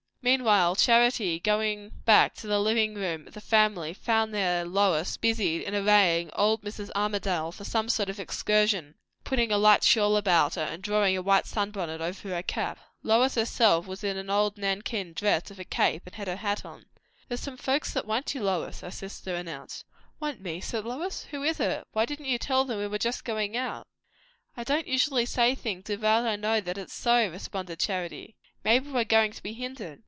Meanwhile, Charity, going back to the living room of the family, found there Lois busied in arraying old Mrs. Armadale for some sort of excursion; putting a light shawl about her, and drawing a white sun bonnet over her cap. Lois herself was in an old nankeen dress with a cape, and had her hat on. "There's some folks that want you, Lois," her sister announced. "Want me!" said Lois. "Who is it? why didn't you tell them we were just going out?" "I don't usually say things without I know that it's so," responded Charity. "Maybe we're going to be hindered."